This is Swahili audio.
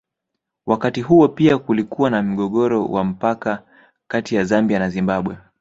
Wakati huo pia kulikuwa na mgogoro wa mpaka kati ya Zambia na Zimbabwe